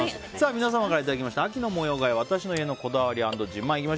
皆様からいただいた秋の模様替え私の家のこだわり＆自慢。